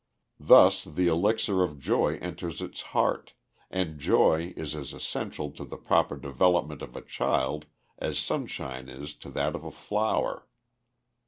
Thus the elixir of joy enters its heart, and joy is as essential to the proper development of a child as sunshine is to that of a flower.